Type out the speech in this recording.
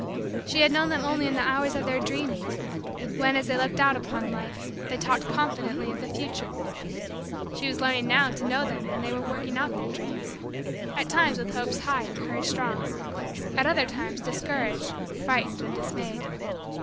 She had known them only in the hours of their dreaming when, as they looked out upon life, they talked confidently of the future: she was learning now to know them when they were working out their dreams; at times with hopes high and courage strong; at other times discouraged, frightened, and dismayed.